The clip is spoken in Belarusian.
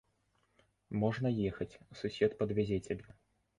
Можна ехаць, сусед падвязе цябе.